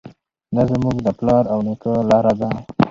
دا زموږ د پلار او نیکه لاره ده.